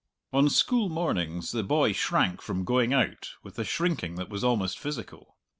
On school mornings the boy shrank from going out with a shrinking that was almost physical.